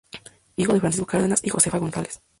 Hijo de Francisco Cárdenas y Josefa González.